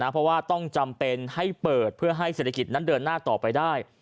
เพราะว่าต้องจำเป็นให้เปิดเพื่อให้เศรษฐกิจนั้นเดินหน้าต่อไปได้